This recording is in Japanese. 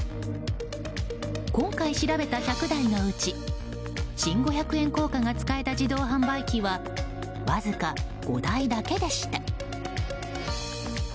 今回調べた１００台のうち新五百円硬貨が使えた自動販売機はわずか５台だけでした。